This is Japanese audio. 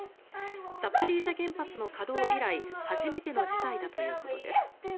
ザポリージャ原発の稼働以来初めての事態だということです。